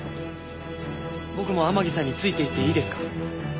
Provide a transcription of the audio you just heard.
僕も天樹さんについていっていいですか？